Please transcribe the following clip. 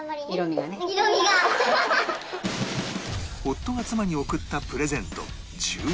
夫が妻に贈ったプレゼント１２点